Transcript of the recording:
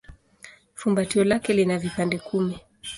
Fumbatio lake lina vipande kumi.